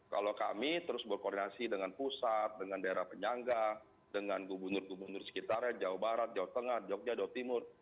kalau kami terus berkoordinasi dengan pusat dengan daerah penyangga dengan gubernur gubernur sekitarnya jawa barat jawa tengah jogja jawa timur